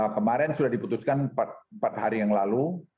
kemarin sudah diputuskan empat hari yang lalu